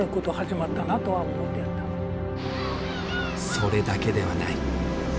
それだけではない。